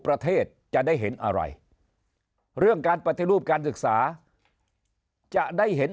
ประเทศจะได้เห็นอะไรเรื่องการปฏิรูปการศึกษาจะได้เห็น